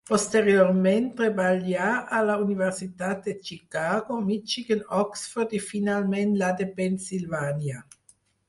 Posteriorment treballà a la Universitat de Chicago, Michigan, Oxford i finalment la de Pennsilvània.